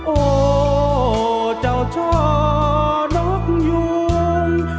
โอ้เจ้าช่อนกยวง